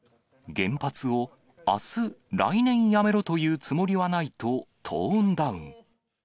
原発を、あす、来年やめろと言うつもりはないとトーンダウン。